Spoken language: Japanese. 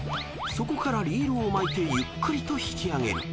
そこからリールを巻いてゆっくりと引き上げる］